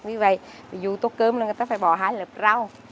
vì vậy ví dụ tô cơm là người ta phải bỏ hai lớp rau